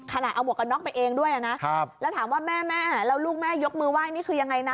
ขนาดเอาหมวกกันน็อกไปเองด้วยนะแล้วถามว่าแม่แล้วลูกแม่ยกมือไหว้นี่คือยังไงนะ